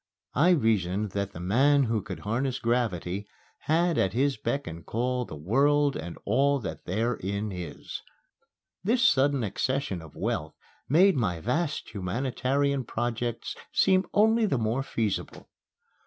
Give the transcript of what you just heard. I reasoned that the man who could harness gravity had at his beck and call the world and all that therein is. This sudden accession of wealth made my vast humanitarian projects seem only the more feasible.